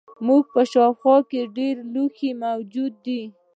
زموږ په شاوخوا کې ډیر لوښي موجود دي.